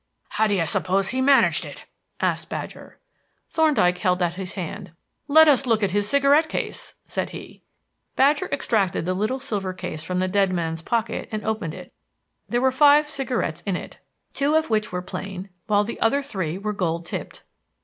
"How do you suppose he managed it?" asked Badger. Thorndyke held out his hand. "Let us look at his cigarette case," said he. Badger extracted the little silver case from the dead man's pocket and opened it. There were five cigarettes in it, two of which were plain, while the other three were gold tipped.